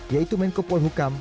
yaitu menko polhukam